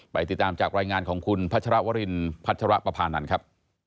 ไปติดตามจากรายงานของคุณพระชะละวรินพระชะละปภานันต์ครับ